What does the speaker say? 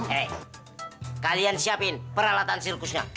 hei kalian siapin peralatan sirkusnya